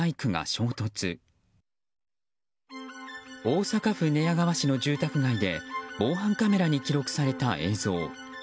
大阪府寝屋川市の住宅街で防犯カメラに記録された映像。